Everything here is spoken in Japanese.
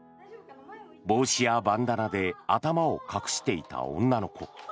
帽子やバンダナで頭を隠していた女の子。